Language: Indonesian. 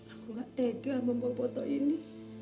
aku gak tega membawa foto ini